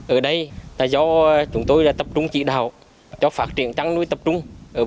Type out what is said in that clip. ở đây do chúng tôi tập trung trị đạo cho phát triển trắng núi tập trung